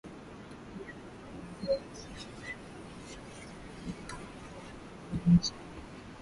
Japo wamekuwa wakihusiana naye kwenye mambo ya usalama lakini hakuahi kujua Maisha yake